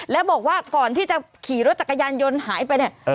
แล้วบอกว่าก่อนที่จะขี่รถจักรยานยนต์หายไปเนี่ย